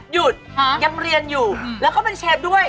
หยุดยังเรียนอยู่แล้วเขาเป็นเชฟด้วย